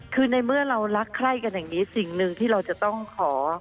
คือในเมื่อเรารักใคร่กันอย่างนี้สิ่งหนึ่งที่เราจะต้องขอ